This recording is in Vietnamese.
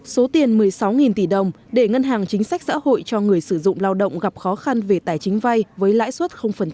số tiền một mươi sáu tỷ đồng để ngân hàng chính sách xã hội cho người sử dụng lao động gặp khó khăn về tài chính vay với lãi suất